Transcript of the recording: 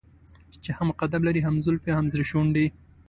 چې هم قد لري هم زلفې هم سرې شونډې.